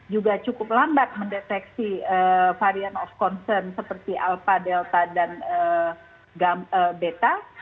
juga cukup lambat mendeteksi varian of concern seperti alpha delta dan beta